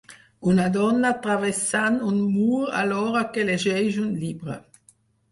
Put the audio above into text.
Una dona travessant un mur alhora que llegeix un llibre.